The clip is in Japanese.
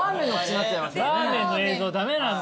ラーメンの映像駄目なんだって。